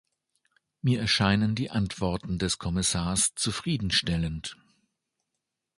Mir erscheinen die Antworten des Kommissars zufriedenstellend.